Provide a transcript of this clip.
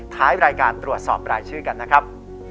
ท้ายรายการตรวจสอบรายชื่อกันนะครับ